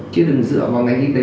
chứ đừng dựa vào ngành y tế